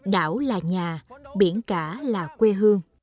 đảo là nhà biển cả là quê hương